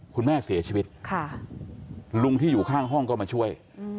คุณแม่เสียชีวิตลุงที่อยู่ข้างห้องก็มาช่วย